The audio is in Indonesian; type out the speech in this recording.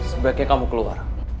sebaiknya kamu keluar